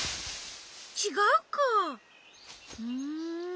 ちがうかうん。